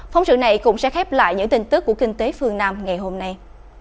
phóng sự này cũng sẽ khép lại những tin tức của kinh tế phương nam ngày hôm nay